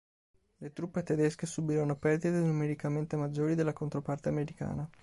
Le truppe tedesche subirono perdite numericamente maggiori della controparte americana.